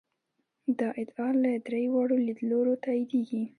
دا ادعا له درې واړو لیدلورو تاییدېږي.